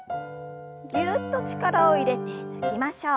ぎゅっと力を入れて抜きましょう。